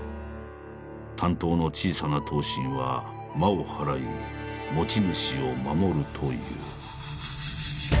短刀の小さな刀身は魔をはらい持ち主を守るという。